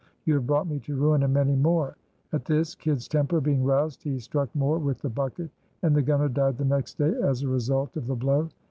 You have brought me to ruin and many more." At this, Kidd's temper being roused, he struck Moore with the bucket, and the gunner died the next day as a result of the blow.